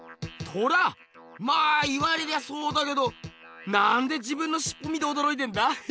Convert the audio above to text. まあ言われりゃそうだけどなんで自分のしっぽ見ておどろいてんだ？